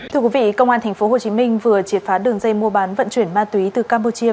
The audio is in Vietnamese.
thưa quý vị công an tp hcm vừa triệt phá đường dây mua bán vận chuyển ma túy từ campuchia